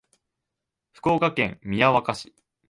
福岡県宮若市